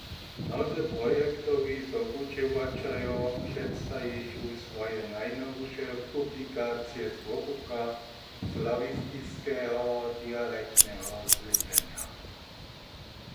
Mnozy projektowi sobudźěłaćerjo předstajichu swoje najnowše publikacije z wobłuka slawistiskeho dialektneho slědźenja.